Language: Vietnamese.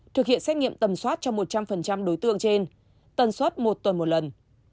thực hiện xét nghiệm tầm soát cho một trăm linh đối tượng trên tầm soát một tuần một lần